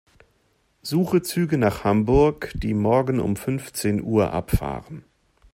Suche Züge nach Hamburg, die morgen um fünfzehn Uhr abfahren.